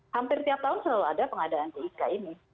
hampir tiap tahun selalu ada pengadaan tik ini